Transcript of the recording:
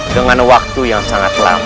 dengan waktu yang sangat lama